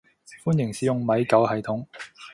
歡迎使用米狗系統